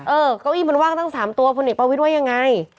เออก้โก้อีมันว่างตั้ง๓ตัวพณฐประวิทย์ว่ายังไง